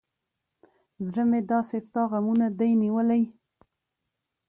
زړه مې داسې ستا غمونه دى نيولى.